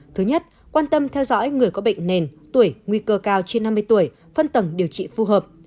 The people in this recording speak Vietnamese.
thứ nhất quan tâm theo dõi người có bệnh nền tuổi nguy cơ cao trên năm mươi tuổi phân tầng điều trị phù hợp